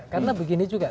karena begini juga